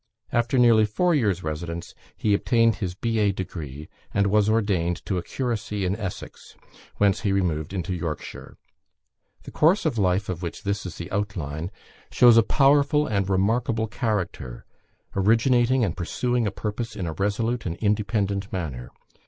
After nearly four years' residence, he obtained his B.A. degree, and was ordained to a curacy in Essex, whence he removed into Yorkshire. The course of life of which this is the outline, shows a powerful and remarkable character, originating and pursuing a purpose in a resolute and independent manner.